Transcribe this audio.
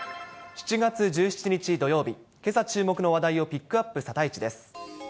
７月１７日土曜日、けさ注目の話題をピックアップ、サタイチです。